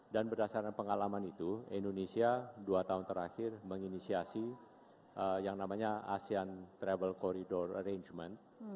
dan berdasarkan pengalaman itu indonesia dua tahun terakhir menginisiasi yang namanya asean travel corridor arrangement